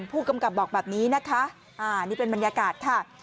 ผู้กำกับบอกแบบนี้นะคะนี่เป็นบรรยากาศค่ะ